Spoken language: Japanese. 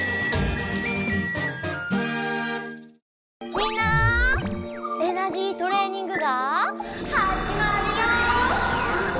みんなエナジートレーニングがはじまるよ！